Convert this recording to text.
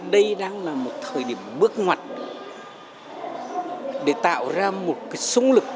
đây đang là một thời điểm bước ngoặt để tạo ra một sung lực